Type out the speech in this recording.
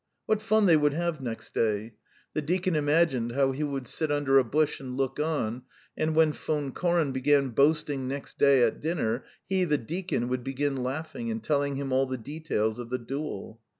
What fun they would have next day! The deacon imagined how he would sit under a bush and look on, and when Von Koren began boasting next day at dinner, he, the deacon, would begin laughing and telling him all the details of the duel.